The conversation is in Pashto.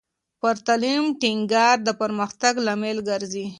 پر تعلیم ټینګار د پرمختګ لامل ګرځي.